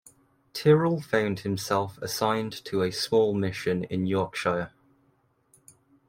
Tyrrell found himself assigned to a small mission in Yorkshire.